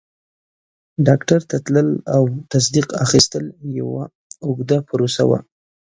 ډاکټر ته تلل او تصدیق اخیستل یوه اوږده پروسه وه.